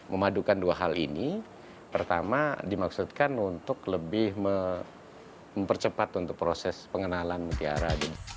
memadukan dua hal ini pertama dimaksudkan untuk lebih mempercepat untuk proses pengenalan mutiara